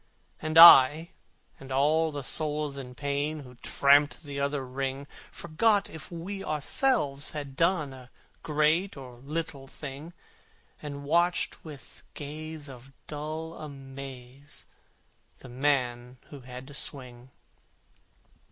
And I and all the souls in pain, Who tramped the other ring, Forgot if we ourselves had done A great or little thing, And watched with gaze of dull amaze The man who had to swing.